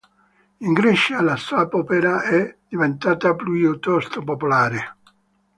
In Grecia, la soap opera è diventata piuttosto popolare.